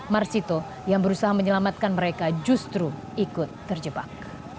marsito yang berusaha menyelamatkan mereka justru ikut terjebak